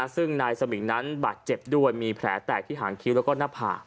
ซึ่งนายสมิงนั้นบาดเจ็บด้วยมีแผลแตกที่หางคิ้วแล้วก็หน้าผาก